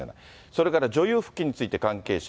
それから女優復帰について関係者